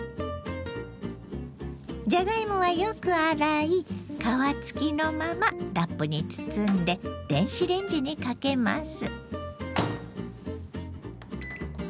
じゃがいもはよく洗い皮付きのままラップに包んで電子レンジにかけます。